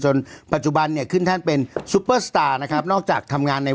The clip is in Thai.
จนปัจจุบันเนี่ยขึ้นท่านเป็นนะครับนอกจากทำงานใน